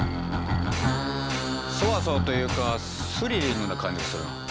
そわそわというかスリリングな感じがするな。